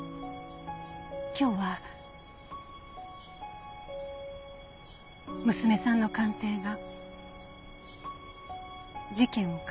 今日は娘さんの鑑定が事件を解決した。